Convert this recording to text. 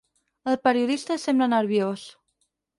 El periodista sembla nerviós.